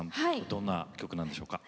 どんな曲なんでしょうか？